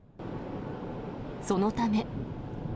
そのため。